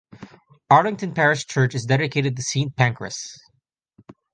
Arlington parish church is dedicated to Saint Pancras.